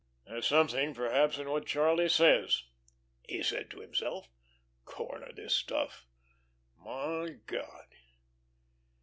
"There's something, perhaps, in what Charlie says," he said to himself. "Corner this stuff my God!"